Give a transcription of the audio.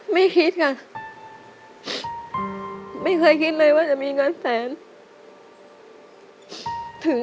ไม่คิดค่ะไม่เคยคิดเลยว่าจะมีเงินแสน